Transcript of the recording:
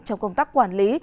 trong công tác quản lý